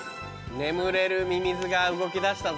眠れるミミズが動きだしたぞ。